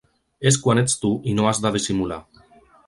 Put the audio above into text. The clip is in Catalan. És quan ets tu i no has de dissimular.